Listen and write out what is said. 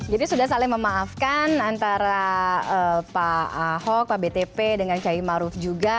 jadi sudah saling memaafkan antara pak ahok pak btp dengan cahim maruf juga